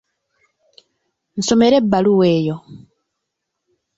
Nsomera ebbaluwa eyo.